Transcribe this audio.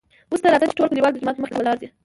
اوس ته راځه چې ټول کليوال دجومات مخکې ولاړ دي .